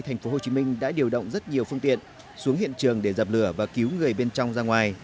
tp hcm đã điều động rất nhiều phương tiện xuống hiện trường để dập lửa và cứu người bên trong ra ngoài